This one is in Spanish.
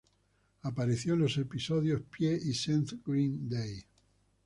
Apareció en los episodios "Pie" y "Seth Green Day".